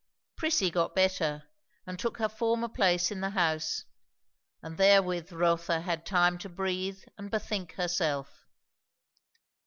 Prissy got better and took her former place in the house; and therewith Rotha had time to breathe and bethink herself.